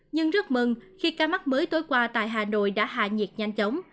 nhưng rất mừng khi ca mắc mới tối qua tại hà nội đã hạ nhiệt nhanh chóng